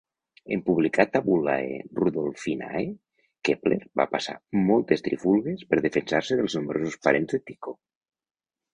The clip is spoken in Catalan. En publicar "Tabulae Rudolphinae", Kepler va passar moltes trifulgues per defensar-se dels nombrosos parents de Tycho.